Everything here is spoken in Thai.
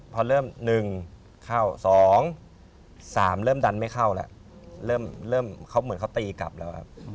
พอเริ่ม๑เข้า๒๓เริ่มดันไม่เข้าแล้วเริ่มเขาเหมือนเขาตีกลับแล้วครับ